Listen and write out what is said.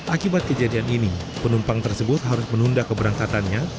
akibat kejadian ini penumpang tersebut harus menunda keberangkatannya